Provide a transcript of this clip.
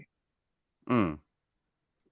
อืม